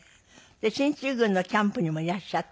進駐軍のキャンプにもいらっしゃった？